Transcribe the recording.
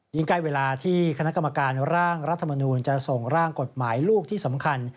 ใกล้เวลาที่คณะกรรมการร่างรัฐมนูลจะส่งร่างกฎหมายลูกที่สำคัญ